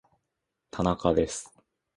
田中です